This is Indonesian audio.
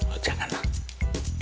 oh jangan lah